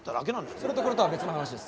それとこれとは別の話です。